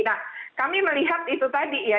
nah kami melihat itu tadi ya